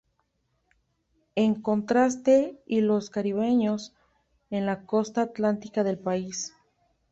En contraste a los caribeños, en la costa Atlántica del país.